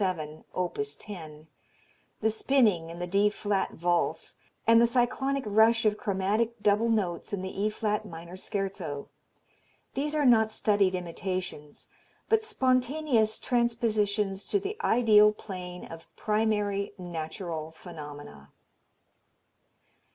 7, opus 10, the spinning in the D flat Valse and the cyclonic rush of chromatic double notes in the E flat minor Scherzo these are not studied imitations but spontaneous transpositions to the ideal plane of primary, natural phenomena.